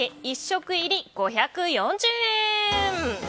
１食入り５４０円。